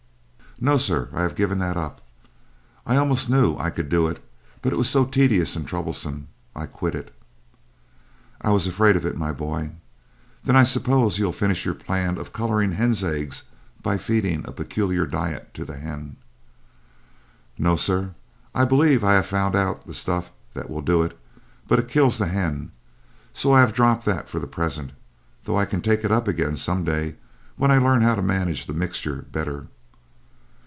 "No, sir, I have given that up. I almost knew I could do it, but it was so tedious and troublesome I quit it." "I was afraid of it, my boy. Then I suppose you'll finish your plan of coloring hen's eggs by feeding a peculiar diet to the hen?" "No, sir. I believe I have found out the stuff that will do it, but it kills the hen; so I have dropped that for the present, though I can take it up again some day when I learn how to manage the mixture better."